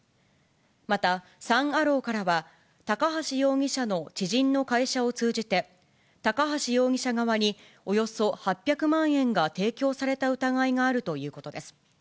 またサン・アローからは、高橋容疑者の知人の会社を通じて、高橋容疑者側におよそ８００万円が提供された疑いがあるということです。